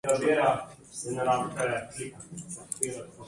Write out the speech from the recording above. Lastnik stanovanja se ni zabaval.